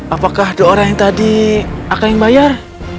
apakah ada orang yang tadi akan bayar